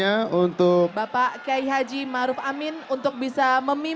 ya allah ya tuhan kami